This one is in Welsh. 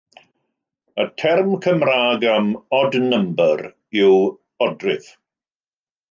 Y term Cymraeg am ‘odd number' yw odrif.